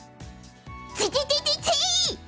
テテテテテイッ！